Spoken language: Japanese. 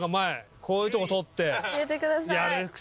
こういうとこ通って。